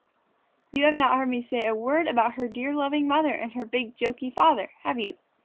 You have not heard me say a word about her dear loving mother and her big joky father, have you?